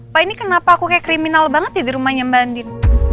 pak ini kenapa aku kayak kriminal banget ya di rumahnya mbak andin